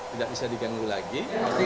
tidak bisa diganggu lagi